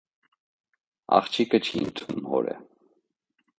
Աղջիկը չի ընդունում հորը։